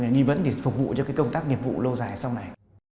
nghi vấn thì phục vụ cho cái công tác nghiệp vụ lâu dài sau này